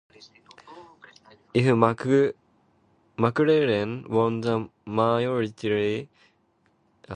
If McClellan won the mayoralty, all Brooklyn patronage would go through him and Tammany.